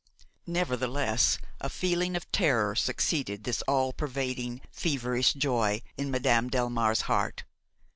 Nevertheless a feeling of terror succeeded this all pervading, feverish joy in Madame Delmare's heart.